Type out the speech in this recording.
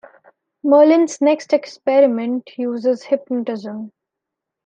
Merlin's next experiment uses hypnotism.